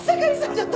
ちょっと。